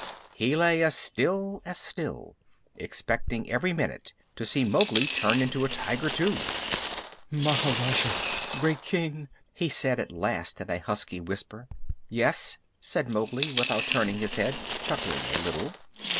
He lay as still as still, expecting every minute to see Mowgli turn into a tiger too. "Maharaj! Great King," he said at last in a husky whisper. "Yes," said Mowgli, without turning his head, chuckling a little.